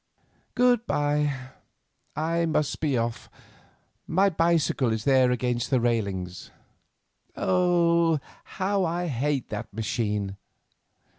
"Good bye, I must be off; my bicycle is there against the railings. Oh, how I hate that machine!